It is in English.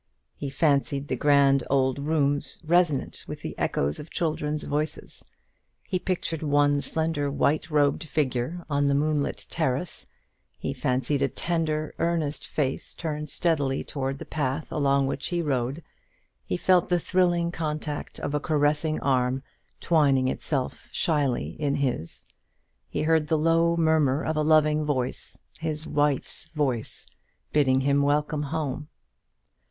He fancied the grand old rooms resonant with the echoes of children's voices; he pictured one slender white robed figure on the moonlit terrace; he fancied a tender earnest face turned steadily towards the path along which he rode; he felt the thrilling contact of a caressing arm twining itself shyly in his; he heard the low murmur of a loving voice his wife's voice! bidding him welcome home.